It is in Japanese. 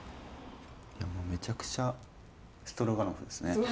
もうめちゃくちゃストロガノフですね。